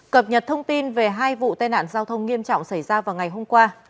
cập nhật thông tin về hai vụ tai nạn giao thông nghiêm trọng xảy ra vào ngày hôm qua